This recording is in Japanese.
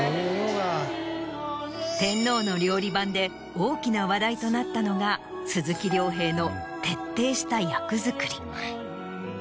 『天皇の料理番』で大きな話題となったのが鈴木亮平の。